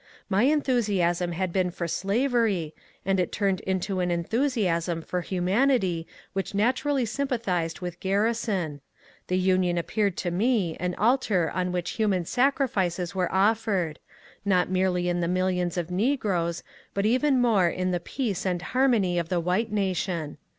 My enthusiasm had been for slavery, and it turned into an enthusiasi^ for human ity which naturally sympathized with Garriso^; the Union appeared to me an altar on which human sacrifices were offered, — not merely in the millions of negroes, but even more in the peace and harmony of the white nation.